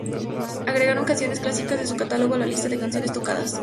Agregaron canciones clásicas de su catalogo a la lista de canciones tocadas.